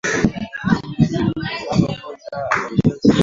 Yeye hana simu